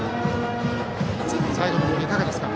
最後のボール、いかがですか？